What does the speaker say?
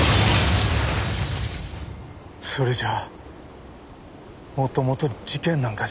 それじゃもともと事件なんかじゃ。